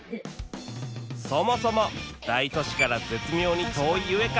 そもそも大都市から絶妙に遠いゆえか